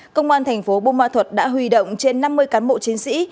công an thành phố bumathut đã hủy động trên năm mươi cán bộ chiến sĩ